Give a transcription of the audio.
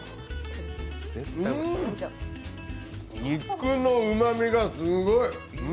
肉のうまみがすごい。